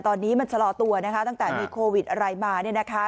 ตอนนี้มันชะลอตัวนะคะตั้งแต่มีโควิดอะไรมาเนี่ยนะคะ